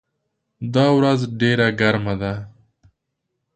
دا ورځ ډېره ګرمه ده.